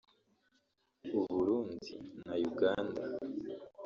i Burundi na Uganda